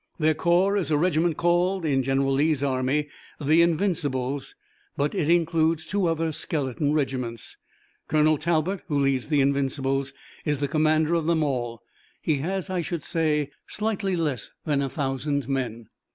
Their corps is a regiment called in General Lee's army the Invincibles, but it includes two other skeleton regiments. Colonel Talbot who leads the Invincibles is the commander of them all. He has, I should say, slightly less than a thousand men."